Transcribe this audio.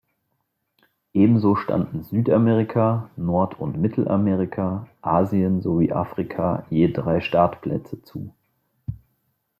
Ebenso standen Südamerika, Nord- und Mittelamerika, Asien sowie Afrika je drei Startplätze zu.